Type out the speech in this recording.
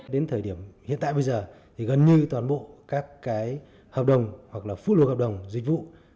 đến thời điểm hiện tại bây giờ thì gần như toàn bộ các cái hợp đồng hoặc là phút lục hợp đồng dịch vụ